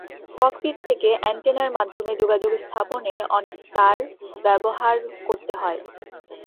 Cocopeat থেকে অ্যান্টেনার মাধ্যমে যোগাযোগ স্থাপনে অনেক তার ব্যবহার করতে হয়।